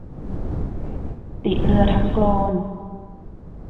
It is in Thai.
ติเรือทั้งโกลน